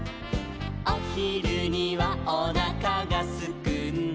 「おひるにはおなかがすくんだ」